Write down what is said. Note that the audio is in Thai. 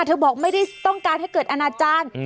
บอกไม่ได้ต้องการให้เกิดอนาจารย์